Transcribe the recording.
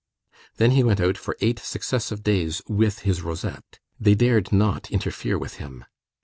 Then he went out for eight successive days with his rosette. They dared not interfere with him.